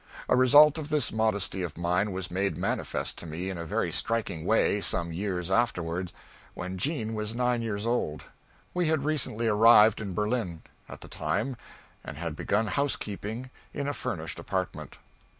A result of this modesty of mine was made manifest to me in a very striking way, some years afterward, when Jean was nine years old. We had recently arrived in Berlin, at the time, and had begun housekeeping in a furnished apartment.